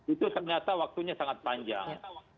itu ternyata waktunya sangat panjang